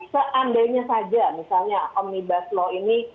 seandainya saja misalnya omnibus law ini